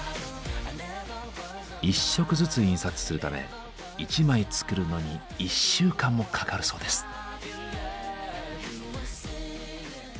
１色ずつ印刷するため１枚作るのに１週間もかかるそうです。